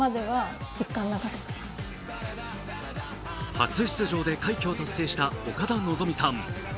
初出場で快挙を達成した岡田望さん。